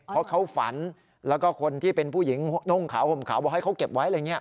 เพราะเขาฝันแล้วก็คนที่เป็นผู้หญิงนุ่งขาวห่มขาวบอกให้เขาเก็บไว้อะไรอย่างนี้